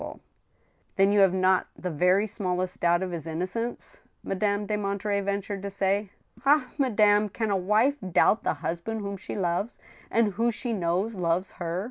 138 THE STEEL HAMMER, Then you have not the very smaUest doubt of his innocence ?" Madame de Monterey ventured to say. Ah ! madame» can a wife doubt the husband whom she loves, and who she knows loves her